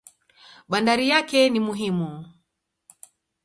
Bandari yake ni muhimu.